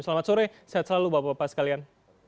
selamat sore sehat selalu bapak bapak sekalian